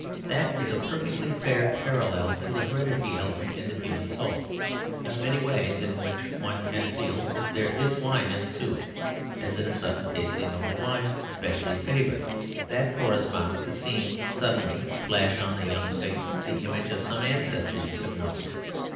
That is a perfectly fair parallel to the hereditary element in the human soul. There are many ways in which one can feel that there is wine in the soup, as in suddenly tasting a wine specially favoured; that corresponds to seeing suddenly flash on a young face the image of some ancestor you have known.